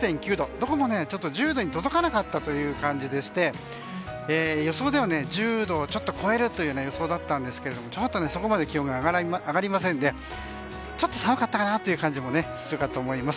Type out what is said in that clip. どうも１０度に届かなかったという感じでして予想では１０度をちょっと超えるという予想だったんですがそこまで気温が上がりませんでちょっと寒かったなという感じもすると思います。